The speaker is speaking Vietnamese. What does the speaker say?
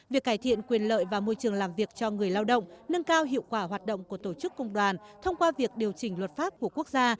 việc cải thiện quyền lợi và môi trường làm việc cho người lao động nâng cao hiệu quả hoạt động của tổ chức công đoàn thông qua việc điều chỉnh luật pháp của quốc gia